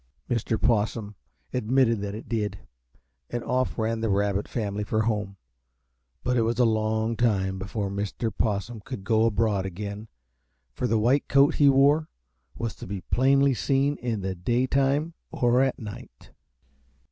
Mr. Possum admitted that it did, and off ran the Rabbit family for home; but it was a long time before Mr. Possum could go abroad again, for the white coat he wore was to be plainly seen in the daytime or at night.